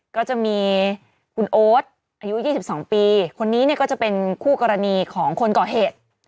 ก็จะมีคุณโอ๊ตอายุ๒๒ปีคนนี้เนี่ยก็จะเป็นคู่กรณีของคนก่อเหตุ